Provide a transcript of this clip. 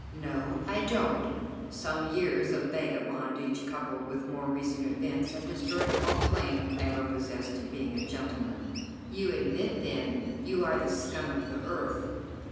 "No, I don't. Some years of vagabondage coupled with more recent events have destroyed all claim I ever possessed to being a gentleman." "You admit, then, you are the scum of the earth."